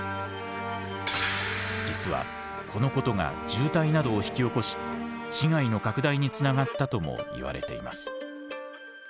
実はこのことが渋滞などを引き起こし被害の拡大につながったともいわれています。